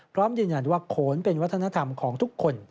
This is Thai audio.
พร้อมยืนยันว่าโขนเป็นวัฒนธรรมของทุกคน